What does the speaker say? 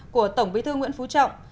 của tổng bí thư nguyễn phú trọng